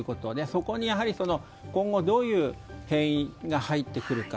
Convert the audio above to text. そこに今後どういう変異が入ってくるか。